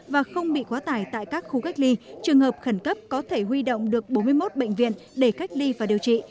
và không bị quá tải tại các khu cách ly trường hợp khẩn cấp có thể huy động được bốn mươi một bệnh viện để cách ly và điều trị